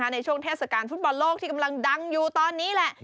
ในช่วงเทศกาลฟุตบอลโลกที่กำลังดังอยู่ตอนนี้แหละ